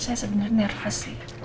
saya sebenarnya nervous sih